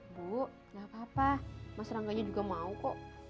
bu gapapa mas rangganya juga mau kok